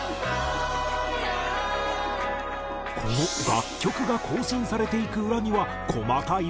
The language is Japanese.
この楽曲が更新されていく裏には細かいプロの技が！